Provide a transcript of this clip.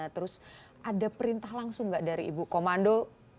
terus ada perintah langsung nggak dari ibu komando